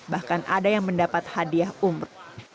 bahkan ada yang mendapat hadiah umroh